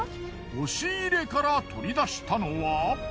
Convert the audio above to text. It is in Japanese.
押し入れから取り出したのは。